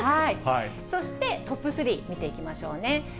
そしてトップ３、見ていきましょうね。